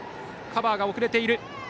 カバーが遅れている。